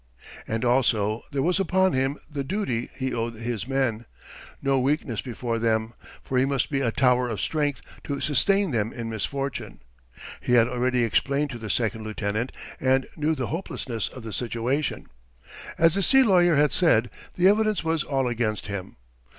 And also there was upon him the duty he owed his men. No weakness before them, for he must be a tower of strength to sustain them in misfortune. He had already explained to the second lieutenant, and knew the hopelessness of the situation. As the sea lawyer had said, the evidence was all against him.